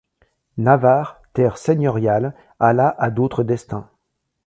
Navarre, terre seigneuriale, alla à d'autres destins.